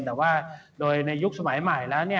แต่ว่าโดยในยุคสมัยใหม่แล้ว